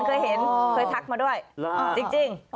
เคยเห็นเคยทักมาด้วยจริง